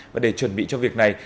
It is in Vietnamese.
và để chuẩn bị cho việc này